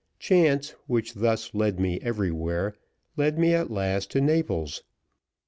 Chance, which thus led me everywhere, led me at last to Naples.